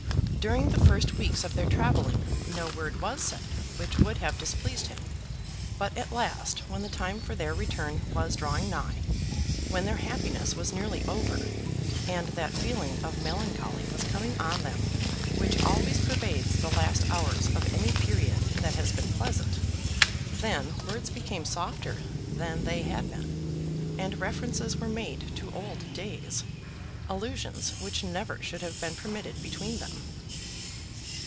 During the first weeks of their travelling no word was said which would have displeased him; but at last, when the time for their return was drawing nigh, when their happiness was nearly over, and that feeling of melancholy was coming on them which always pervades the last hours of any period that has been pleasant, then words became softer than they had been, and references were made to old days, allusions which never should have been permitted between them.